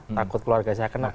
takut keluarga saya kena